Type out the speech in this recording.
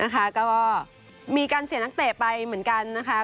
ก็มีการเสียนักเตะไปเหมือนกันนะคะ